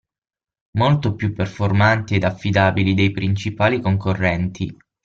Molto più performanti ed affidabili dei principali concorrenti.